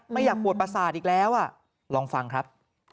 ไม่อยากปวดประสาทอีกแล้วลองฟังครับ